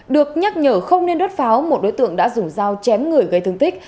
được nhắc nhở không nên đốt pháo một đối tượng đã dùng dao chém người gây thương tích